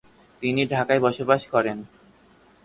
তিনি ঢাকায় বসবাস করেন।